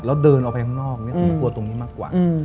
แล้วเดินออกไปข้างนอกผมกลัวตรงนี้มากกว่า